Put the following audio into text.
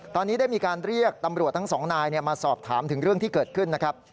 ตอนนี้ได้มีการเรียกตำรวจทั้งสองนายมาสอบถามถึงเรื่องที่เกิดขึ้นนะครับ